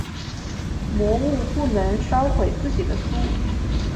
魔物不能烧毁自己的书。